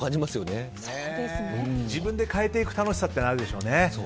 自分で変えていく楽しさってあるでしょうね。